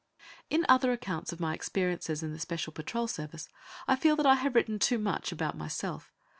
In other accounts of my experiences in the Special Patrol Service I feel that I have written too much about myself.